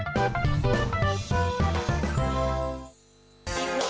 สวัสดีครับ